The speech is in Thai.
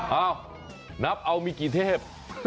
นับเอามีกี่เทพ